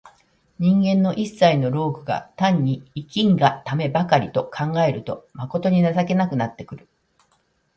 人間の一切の労苦が単に生きんがためばかりと考えると、まことに情けなくなってくる。